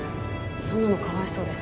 そんなのかわいそうです。